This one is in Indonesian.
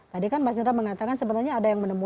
tadi kan mas indra mengatakan sebenarnya ada yang menemukan